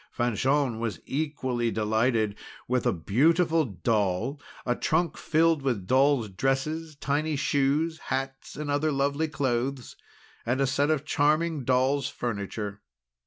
Fanchon was equally delighted with a beautiful doll, a trunk filled with doll's dresses, tiny shoes, hats, and other lovely clothes, and a set of charming doll's furniture.